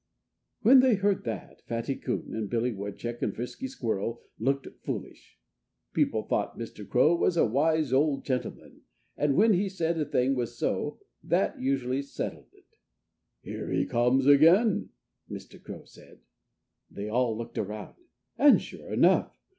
When they heard that, Fatty Coon and Billy Woodchuck and Frisky Squirrel looked foolish. People thought Mr. Crow was a wise old gentleman. And when he said a thing was so, that usually settled it. "Here he comes again!" Mr. Crow said. They all looked around. And sure enough!